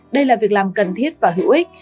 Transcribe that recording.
đây là việc làm cần thiết và hữu ích